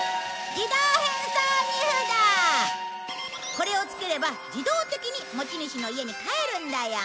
これをつければ自動的に持ち主の家に返るんだよ。